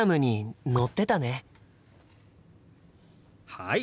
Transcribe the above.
はい！